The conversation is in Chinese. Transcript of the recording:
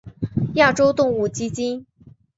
亚洲动物基金。